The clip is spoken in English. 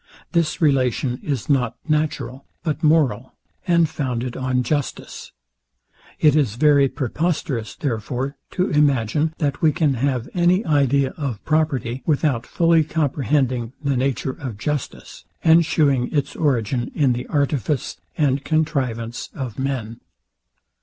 This relation is not natural, but moral, and founded on justice. It is very preposterous, therefore, to imagine, that we can have any idea of property, without fully comprehending the nature of justice, and shewing its origin in the artifice and contrivance of man.